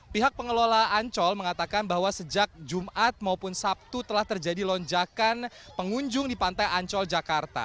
pihak pengelola ancol mengatakan bahwa sejak jumat maupun sabtu telah terjadi lonjakan pengunjung di pantai ancol jakarta